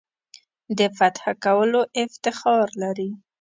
د فتح کولو افتخار لري.